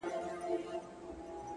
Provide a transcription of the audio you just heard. ژور فکر غوره پرېکړې زېږوي,